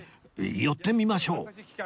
寄ってみましょう